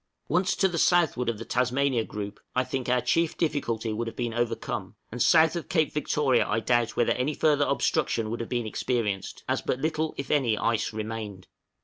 Once to the southward of the Tasmania Group, I think our chief difficulty would have been overcome; and south of Cape Victoria I doubt whether any further obstruction would have been experienced, as but little, if any, ice remained.